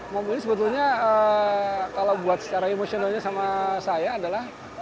mobil ini sebetulnya kalau buat secara emosionalnya sama saya adalah